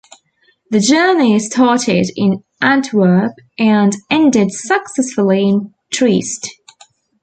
The journey started in Antwerp and ended successfully in Trieste.